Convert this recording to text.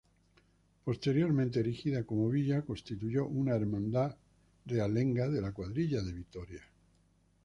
Posteriormente erigida como villa, constituyó una Hermandad realenga de la cuadrilla de Vitoria.